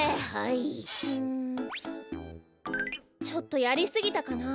ちょっとやりすぎたかな？